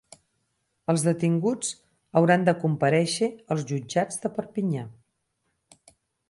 Els detinguts hauran de comparèixer als jutjats de Perpinyà.